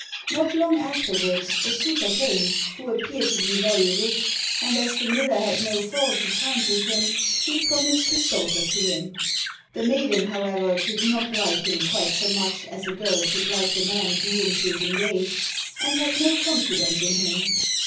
Not long afterwards, a suitor came, who appeared to be very rich, and as the miller had no fault to find with him, he promised his daughter to him. The maiden, however, did not like him quite so much as a girl should like the man to whom she is engaged, and had no confidence in him.